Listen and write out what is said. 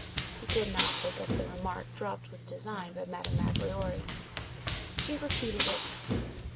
He did not take up the remark dropped with design by Madame Magloire. She repeated it.